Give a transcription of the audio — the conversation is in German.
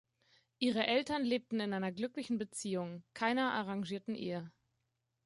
Ihre Eltern lebten einer glücklichen Beziehung, keiner arrangierten Ehe.